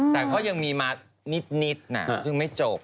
แต่เขายังมีมานิดหนาวจึงไม่จบ